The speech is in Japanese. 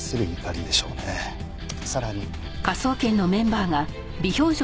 さらに。